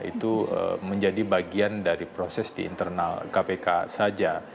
itu menjadi bagian dari proses di internal kpk saja